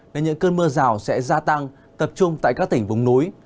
nên những cơn mưa rào sẽ gia tăng tập trung tại các tỉnh vùng núi